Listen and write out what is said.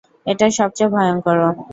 এটা সবচেয়ে ভয়ংকরও।